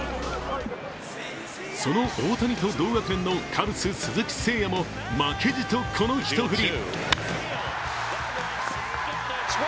その大谷と同学年のカブス・鈴木誠也も負けじと、この一振り。